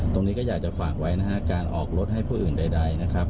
ตรงนี้ก็อยากจะฝากไว้นะฮะการออกรถให้ผู้อื่นใดนะครับ